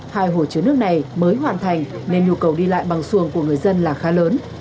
hai hồ chứa nước này mới hoàn thành nên nhu cầu đi lại bằng xuồng của người dân là khá lớn